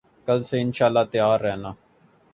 کل سے ان شاءاللہ تیار رہنا